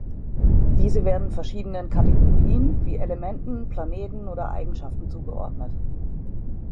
Diese werden verschiedenen Kategorien wie Elementen, Planeten oder Eigenschaften zugeordnet.